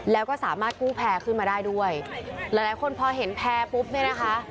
แล้วก็สามารถกู้แพร่ขึ้นมาได้ด้วยหลายหลายคนพอเห็นแพร่ปุ๊บเนี่ยนะคะ